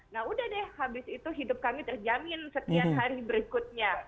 nah udah deh habis itu hidup kami terjamin setiap hari berikutnya